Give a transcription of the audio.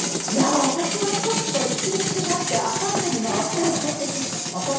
私は一日待ってあさってに回しちゃうかもしれない。